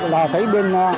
là thấy bên